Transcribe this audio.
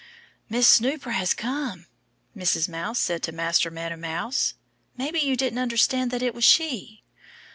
"Miss Snooper has come," Mrs. Mouse said to Master Meadow Mouse. "Maybe you didn't understand that it was she."